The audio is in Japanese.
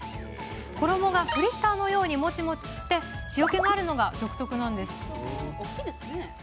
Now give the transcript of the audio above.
衣がフリッターのようにもちもちして塩けがあるのが独特なんです。